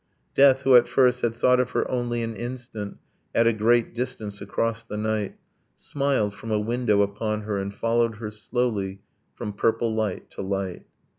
Death, who at first had thought of her only an instant, At a great distance, across the night, Smiled from a window upon her, and followed her slowly From purple light to light.